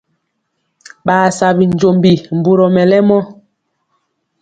Ɓaa sa binjombi mburɔ mɛlɛmɔ.